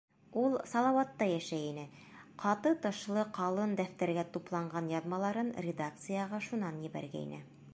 Ул Салауатта йәшәй ине, ҡаты тышлы ҡалын дәфтәргә тупланған яҙмаларын редакцияға шунан ебәргәйне.